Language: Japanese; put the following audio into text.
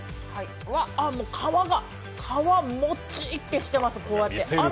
皮、もちってしてます。